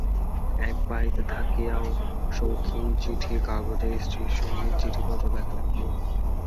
এক বাড়িতে থাকিয়াও শৌখিন চিঠির কাগজে স্ত্রীর সহিত চিঠিপত্র লেখালেখি করিত।